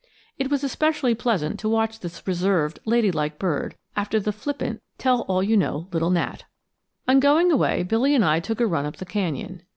It was especially pleasant to watch this reserved lady like bird, after the flippant tell all you know little gnat. On going away, Billy and I took a run up the canyon.